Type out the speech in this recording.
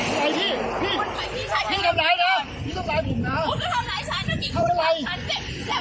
ไปพี่ชายฉันไปพี่ชายฉัน